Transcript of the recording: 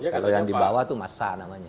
kalau yang dibawa itu masya namanya